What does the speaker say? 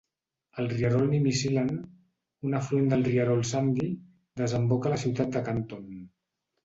El rierol Nimishillen, un afluent del rierol Sandy, desemboca a la ciutat de Canton.